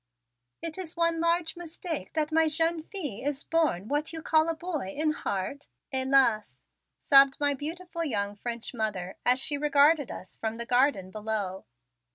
"It is one large mistake that my jeune fille is born what you call a boy in heart. Helas!" sobbed my beautiful young French mother as she regarded us from the garden below.